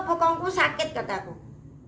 pami juga mencari kuku yang masuk ke dalam kukunya